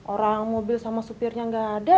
orang mobil sama sopirnya tidak ada